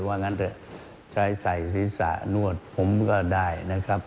งั้นเถอะใช้ใส่ศีรษะนวดผมก็ได้นะครับ